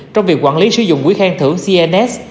trong việc quản lý sử dụng quỹ khen thưởng cns